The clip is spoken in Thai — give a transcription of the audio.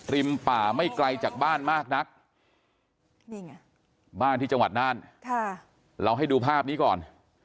ป่าไม่ไกลจากบ้านมากนักนี่ไงบ้านที่จังหวัดน่านเราให้ดูภาพนี้ก่อน